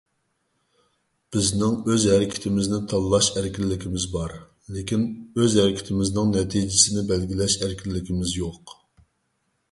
بىزنىڭ ئۆز ھەرىكىتىمىزنى تاللاش ئەركىنلىكىمىز بار، لېكىن ئۆز ھەرىكىتىمىزنىڭ نەتىجىسىنى بەلگىلەش ئەركىنلىكىمىز يوق.